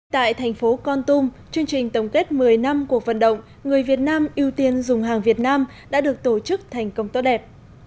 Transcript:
tại thành phố con tum chương trình tổng kết một mươi năm cuộc vận động người việt nam ưu tiên dùng hàng việt nam đã được tổ chức thành công tốt đẹp